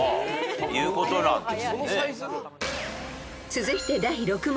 ［続いて第６問］